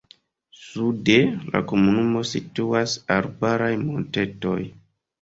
Sude de la komunumo situas arbaraj montetoj.